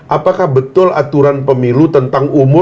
apakah betul aturan pemilu tentang umur